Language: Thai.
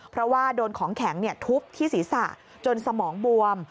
เพราะว่าโดนของแข็งทุบที่ศีรษะจนสมองบวม